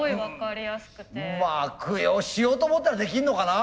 悪用しようと思ったらできんのかな？